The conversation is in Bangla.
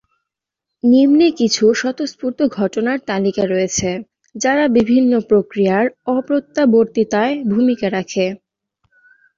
নিম্নে কিছু স্বতঃস্ফূর্ত ঘটনার তালিকা রয়েছে যারা বিভিন্ন প্রক্রিয়ার অপ্রত্যাবর্তীতায় ভূমিকা রাখে।